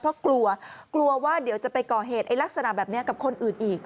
เพราะกลัวกลัวว่าเดี๋ยวจะไปก่อเหตุลักษณะแบบนี้กับคนอื่นอีก